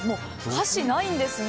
歌詞ないんですが。